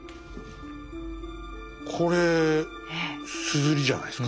これ硯じゃないですか。